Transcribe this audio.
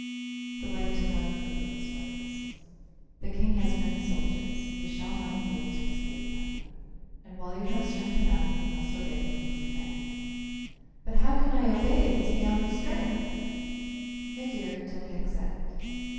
The wife did not approve of his words. "The King has many soldiers; we shall not be able to escape them. And while you have strength enough you must obey the King's command." "But how can I obey if it's beyond my strength?" "My dear, don't get excited.